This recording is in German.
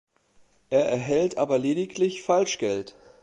Er erhält aber lediglich Falschgeld.